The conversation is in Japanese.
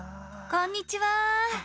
こんにちは。